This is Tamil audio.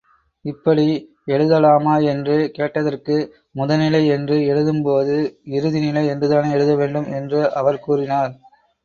இப்படி எழுதலாமா என்று கேட்டதற்கு முதனிலை என்று எழுதும்போது, இறுதினிலை என்றுதானே எழுத வேண்டும்? என்று அவர் கூறினார்.